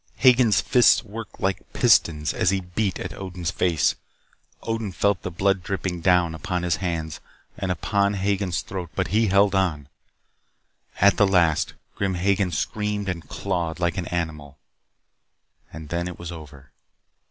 Hagen's fists worked like pistons as he beat at Odin's face. Odin felt the blood dripping down upon his hands and upon Hagen's throat but he held on. At the last, Grim Hagen screamed and clawed like an animal. And then it was over.